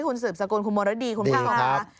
คุณสืบสกุลคุณโมรดีคุณพลา